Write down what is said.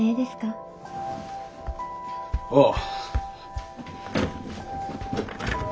ああ。